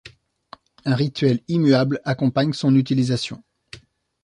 Un rituel immuable accompagne son utilisation.